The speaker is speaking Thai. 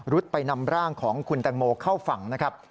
ไปนำร่างของคุณแตงโมเข้าฝั่งนะครับ